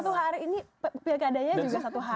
satu hari ini pilih keadanya juga satu hari